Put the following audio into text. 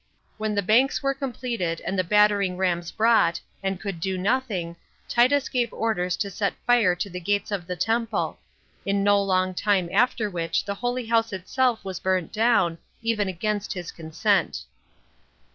When The Banks Were Completed And The Battering Rams Brought, And Could Do Nothing, Titus Gave Orders To Set Fire To The Gates Of The Temple; In No Long Time After Which The Holy House Itself Was Burnt Down, Even Against His Consent.